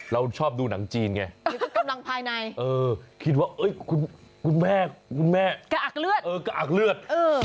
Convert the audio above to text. เราชอบดูหนังจีนไงคิดว่าคุณแม่คุณแม่กะอักเลือด